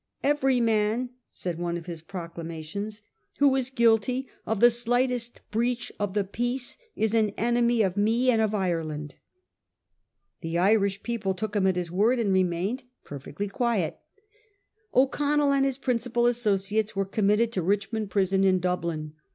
' Every man,' said one of his proclama tions, ' who is guilty of the slightest breach of the peace is an enemy of me and of Ireland.' The Irish 20G A HISTORY OF OUR OWN TIMES. cn. in. people took him at his word and remained perfectly quiet. O'Connell and his principal associates were com mitted to Richmond Prison, in Dublin.